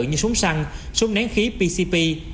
như súng săn súng nén khí pcp